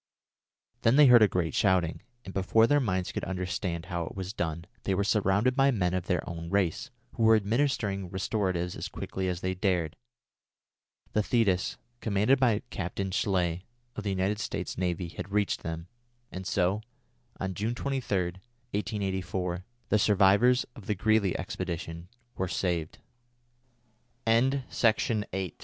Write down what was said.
Then they heard a great shouting, and before their minds could understand how it was done, they were surrounded by men of their own race, who were administering restoratives as quickly as they dared. The Thetis, commanded by Captain Schley, of the United States Navy, had reached them, and so, on June 23, 1884, the survivors of the Greely expedition were saved. CHAPTER VII PEARY IN GREENLAND The Greenland